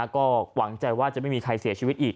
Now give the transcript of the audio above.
ก็หวังใจว่าจะไม่มีใครเสียชีวิตอีก